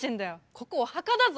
ここお墓だぞ。